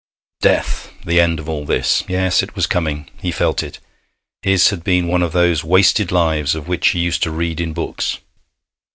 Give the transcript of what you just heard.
Death! The end of all this! Yes, it was coming. He felt it. His had been one of those wasted lives of which he used to read in books.